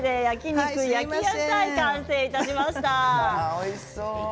おいしそう。